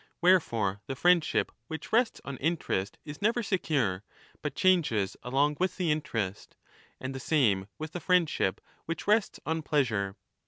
Wherefore the friendship which rests on interest is never secure, but changes along with the 15 interest ; and the same with the friendship which rests on pleasure.